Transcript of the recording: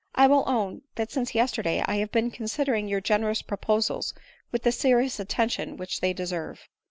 I will own, that since yesterday I have been considering your generous proposals with the serious attention which they deserve."